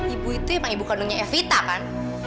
ibu itu emang ibu kandungnya evita kan